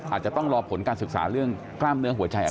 อาจจะต้องรอผลการศึกษาเรื่องกล้ามเนื้อหัวใจ